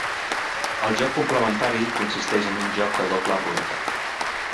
El joc complementari consisteix en un joc de doble ruleta.